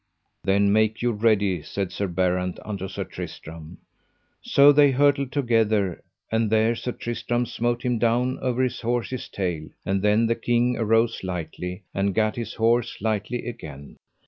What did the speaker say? Then make you ready, said Sir Berrant unto Sir Tristram. So they hurtled together, and there Sir Tristram smote him down over his horse's tail; and then the king arose lightly, and gat his horse lightly again.